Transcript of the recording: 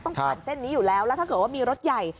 ต้องผ่านเส้นนี้อยู่แล้วแล้วถ้าเกิดว่ามีรถใหญ่